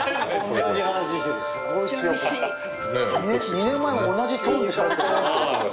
２年前も同じトーンでしゃべってる。